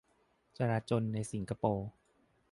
จลาจลในสิงคโปร์